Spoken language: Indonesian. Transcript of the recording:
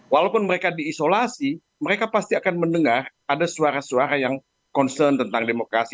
walaupun mereka diisolasi mereka pasti akan mendengar ada suara suara yang concern tentang demokrasi